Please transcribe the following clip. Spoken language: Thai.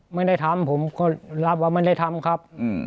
ไม่ได้ทำผมก็รับว่าไม่ได้ทำครับ